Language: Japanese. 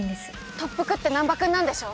特服って難破君なんでしょ？